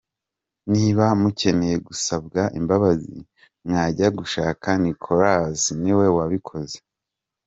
Niba mukeneye gusabwa imbabazi, mwajya gushaka Nicholas niwe wabikoze.